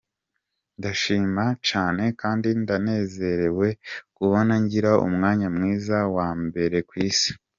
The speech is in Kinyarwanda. "Ndashima cane kandi ndanezerewe kubona ngira umwanya mwiza wa mbere kw'isi.